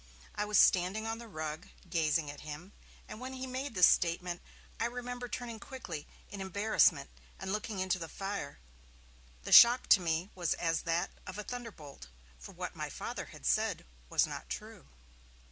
I was standing on the rug, gazing at him, and when he made this statement, I remember turning quickly, in embarrassment, and looking into the fire. The shock to me was as that of a thunderbolt, for what my Father had said 'was not true'.